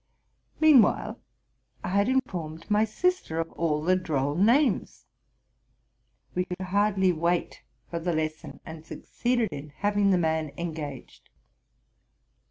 Meanwhile, I had informed my sister of all the droll names: we could hardly wait for the lesson, and succeeded in having the man engaged.